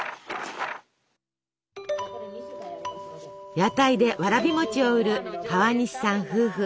屋台でわらび餅を売る川西さん夫婦。